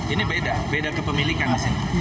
ini beda beda kepemilikan di sini